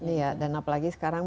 iya dan apalagi sekarang